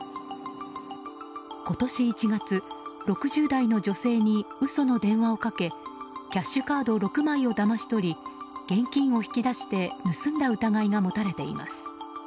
今年１月、６０代の女性に嘘の電話をかけキャッシュカード６枚をだまし取り現金を引き出して盗んだ疑いが持たれています。